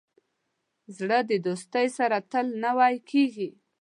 زړه د دوستۍ سره تل نوی کېږي.